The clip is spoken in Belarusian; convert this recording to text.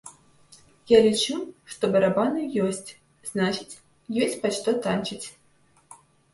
Я лічу, што барабаны ёсць, значыць, ёсць пад што танчыць.